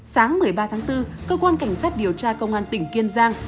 sáng một mươi ba tháng bốn cơ quan cảnh sát điều tra công an tỉnh kiên giang